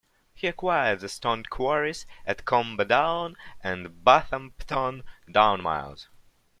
He acquired the stone quarries at Combe Down and Bathampton Down Mines.